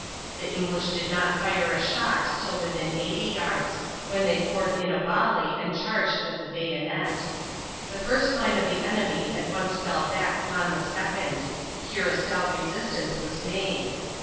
The English did not fire a shot till within 80 yards, when they poured in a volley and charged with the bayonet. The first line of the enemy at once fell back upon the second; here a stout resistance was made.